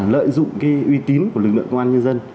lợi dụng cái uy tín của lực lượng công an nhân dân